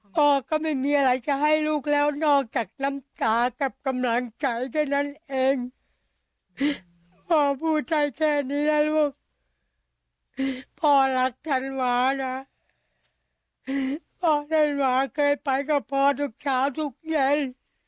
พ่อรักธันวานะพ่อธันวาเคยไปกับพ่อทุกเช้าทุกเย็น